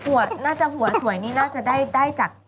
น่าจะหัวสวยนี่น่าจะได้จาก